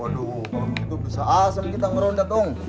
waduh kalau begitu bisa asal kita meronda tuh